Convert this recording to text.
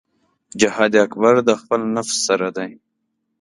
جهاد اکبر د خپل نفس سره دی .